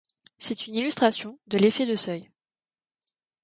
C'est une illustration de l'effet de seuil.